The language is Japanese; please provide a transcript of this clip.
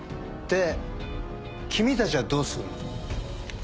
で君たちはどうするの？